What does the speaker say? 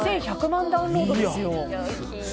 １１００万ダウンロードですよ。